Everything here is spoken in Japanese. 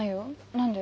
何で？